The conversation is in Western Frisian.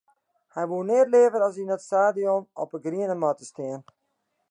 Hy woe neat leaver as yn dat stadion op 'e griene matte stean.